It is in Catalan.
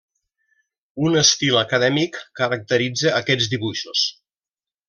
Un estil acadèmic caracteritza aquests dibuixos.